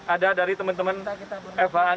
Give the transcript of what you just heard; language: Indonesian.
ada dari teman teman fh andalan